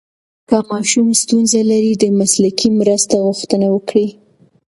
که ماشوم ستونزه لري، د مسلکي مرسته غوښتنه وکړئ.